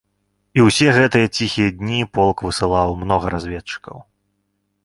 І ўсе гэтыя ціхія дні полк высылаў многа разведчыкаў.